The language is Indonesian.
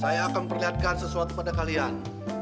saya akan perlihatkan sesuatu pada kalian